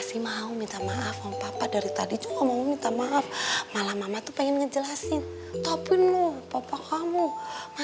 sampai jumpa di video selanjutnya